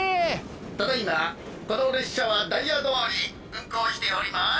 ただ今この列車はダイヤ通り運行しております。